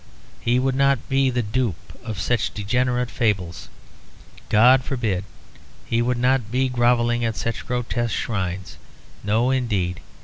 He would not be the dupe of such degenerate fables; God forbid. He would not be grovelling at such grotesque shrines; no indeed.